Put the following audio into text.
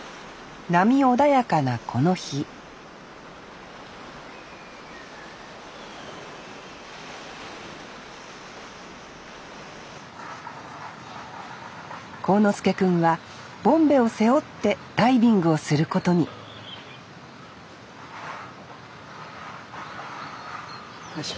波穏やかなこの日航之介くんはボンベを背負ってダイビングをすることによいしょ。